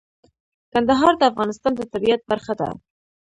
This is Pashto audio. کندهار د افغانستان د طبیعت برخه ده.